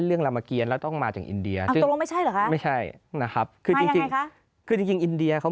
เรื่องรำเกียรติแล้วต้องมาจากอินเดียไม่ใช่นะครับคืออินเดียเขา